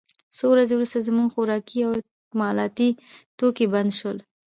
څو ورځې وروسته زموږ خوراکي او اکمالاتي توکي بند شول